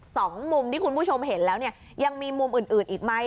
สองมุมที่คุณผู้ชมเห็นแล้วเนี่ยยังมีมุมอื่นอื่นอีกไหม